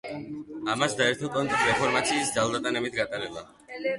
ამას დაერთო კონტრრეფორმაციის ძალდატანებით გატარება.